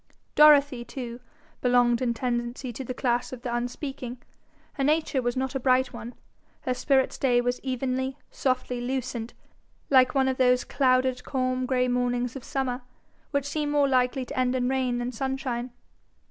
Dorothy, too, belonged in tendency to the class of the unspeaking. Her nature was not a bright one. Her spirit's day was evenly, softly lucent, like one of those clouded calm grey mornings of summer, which seem more likely to end in rain than sunshine.